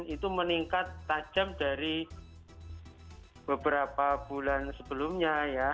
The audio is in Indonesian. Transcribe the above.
itu meningkat tajam dari beberapa bulan sebelumnya ya